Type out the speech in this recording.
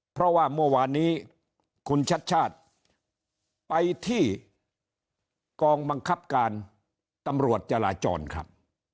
เพราะว่าเมื่อวานนี้คุณชัดชาติไปที่กองบังคับการตำรวจจราจรครับ